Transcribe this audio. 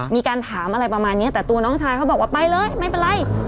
มีการถามอะไรประมาณนี้แต่ตัวน้องชายเขาบอกว่าไปเลยไม่เป็นไร